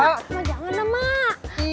mak janganlah mak